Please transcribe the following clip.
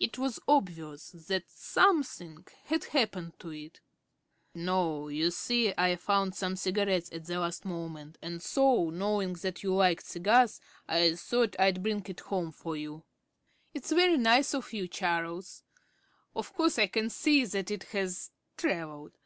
It was obvious that something had happened to it. "No, you see, I found some cigarettes at the last moment, and so, knowing that you liked cigars, I thought I'd bring it home for you." "It's very nice of you, Charles. Of course I can see that it has travelled.